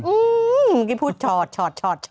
บังคิดพูดฉอด